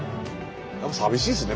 やっぱ寂しいですね。